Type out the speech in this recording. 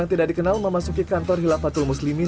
yang tidak dikenal memasuki kantor hilafatul muslimin